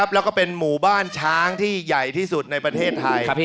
แล้วก็เป็นหมู่บ้านช้างที่ใหญ่ที่สุดในประเทศไทย